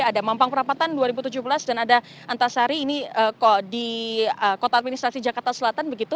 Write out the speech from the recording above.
ada mampang perapatan dua ribu tujuh belas dan ada antasari ini di kota administrasi jakarta selatan